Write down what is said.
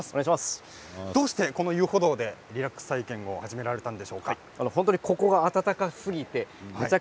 どうして遊歩道でリラックス体験を始められたんですか。